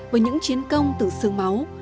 với những chiến công từ xương máu